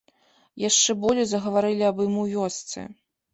Яшчэ болей загаварылі аб ім у вёсцы.